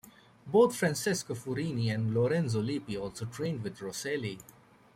Both Francesco Furini and Lorenzo Lippi also trained with Rosselli.